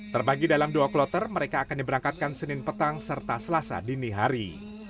terbagi dalam dua kloter mereka akan diberangkatkan senin petang serta selasa dini hari